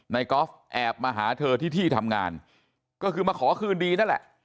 กอล์ฟแอบมาหาเธอที่ที่ทำงานก็คือมาขอคืนดีนั่นแหละ